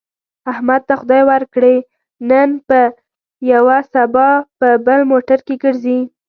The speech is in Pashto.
احمد ته خدای ورکړې، نن په یوه سبا په بل موټر کې ګرځي.